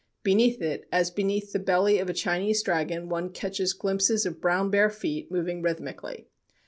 Beneath it, as beneath the belly of a Chinese dragon, one catches glimpses of brown bare feet moving rhythmically.